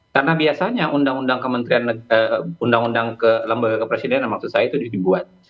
karena biasanya undang undang ke presiden waktu saya itu dibuat